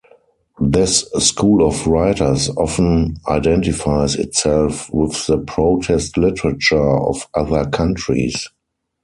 This school of writers often identifies itself with the protest literature of other countries.